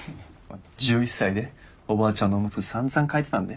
１１歳でおばあちゃんのおむつさんざん替えてたんで。